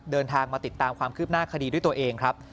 เดินทางมาติดตามความคืบหน้าคดีด้วยตัวเองครับ